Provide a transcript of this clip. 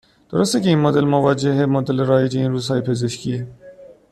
درسته که این مدل مواجهه، مدل رایج این روزهای پزشکیه